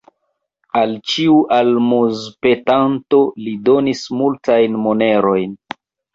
Al ĉiu almozpetanto li donis multajn monerojn.